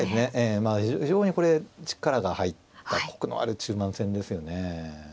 まあ非常にこれ力が入ったコクのある中盤戦ですよね。